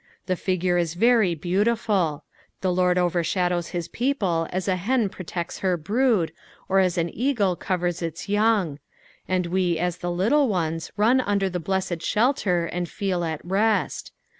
The figure is ve^ beautiful. The Lord overshadows his people as a hen protects her brood, or as an eagle covers its young ; and we as the little ones nm under the blessed ■belter and feel at rest.